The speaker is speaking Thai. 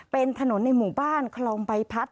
เป็นถนนในหมู่บ้านคลองใบพัด